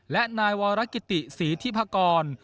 และนายวรกิติศรีธิพกร